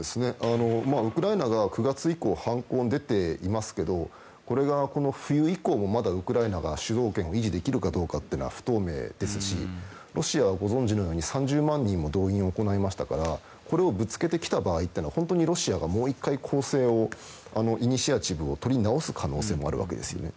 ウクライナが９月以降反攻に出ていますけどこれが冬以降もまだウクライナが主導権を維持できるかどうかは不透明ですしロシアはご存じのように３０万人も動員を行いましたからこれをぶつけてきた場合はもう１回攻勢をイニシアチブを取り直す可能性もあるわけですよね。